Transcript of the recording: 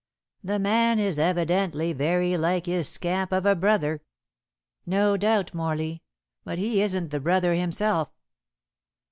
The man is evidently very like his scamp of a brother." "No doubt, Morley. But he isn't the brother himself."